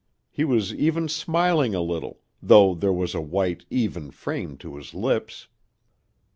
He was even smiling a little, though there was a white, even frame to his lips.